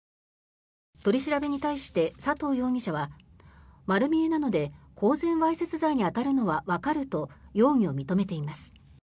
取り調べに対して、佐藤容疑者は丸見えなので公然わいせつ罪に当たるのはわかると容疑を認めています。